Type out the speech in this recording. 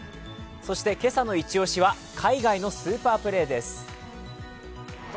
そして今朝のイチ押しは海外のスーパープレーです。